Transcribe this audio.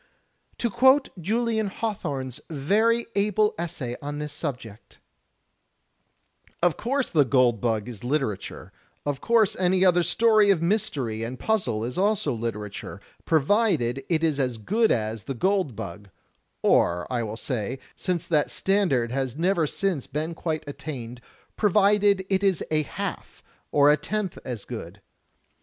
To quote Julian Hawthorne's very able essay on this subject: "Of course *The Gold Bug' is literature; of course any other story of mystery and puzzle is also literature, provided it is as good as 'The Gold Bug,' — or I will say, since that standard has never since been quite attained, provided it is a half or a tenth as good.